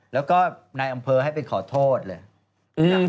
แล้วก็รายน้ายอังเภาให้ไปขอโทษเลย